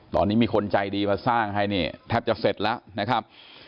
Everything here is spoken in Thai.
ตอนนี้มีคนใจดีมาสร้างให้เนี่ยแทบจะเสร็จแล้วนะครับ